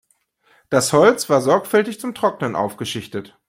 Das Holz war sorgfältig zum Trocknen aufgeschichtet.